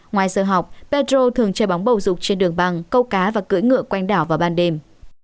ngoài giờ học petro thường chơi bóng bầu dục trên đường băng câu cá và cưỡi ngựa quanh đảo vào ban đêm